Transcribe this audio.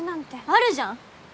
あるじゃん！